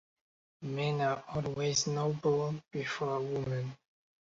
Men are always noble before a woman.